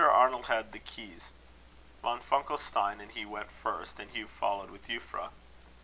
Arnold had the keys. Von Funkelstein and he went first, and Hugh followed with Euphra.